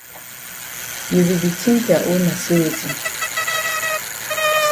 You be di tink ya own na say weti?